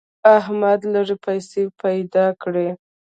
احمد لږې پیسې پیدا کړې.